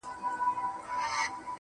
• زما خبري خدايه بيرته راکه .